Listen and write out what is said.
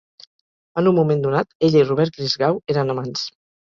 En un moment donat, ella i Robert Christgau eren amants.